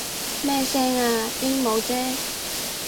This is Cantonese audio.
咩聲啊？鸚鵡啫